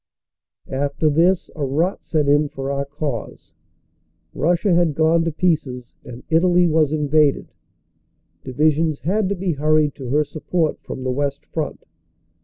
After this a rot set in for our cause; Russia had gone to pieces and Italy was invaded; divisions had to be hurried to her support from the West Front.